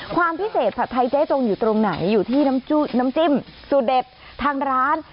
ความพิเศษผัดไทยเจ๊จงอยู่ตรงไหนอยู่ที่น้ำจิ้มสูตรเด็ดทางร้าน